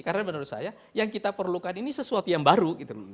karena menurut saya yang kita perlukan ini sesuatu yang baru